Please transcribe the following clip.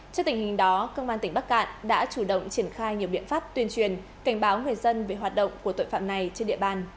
trước tình hình đó công an tỉnh bắc cạn đã chủ động triển khai nhiều biện pháp tuyên truyền cảnh báo người dân về hoạt động của tội phạm này trên địa bàn